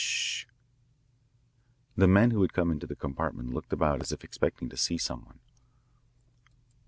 "Sh h." The men who had come into the compartment looked about as if expecting to see some one.